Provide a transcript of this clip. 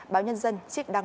báo nhân dân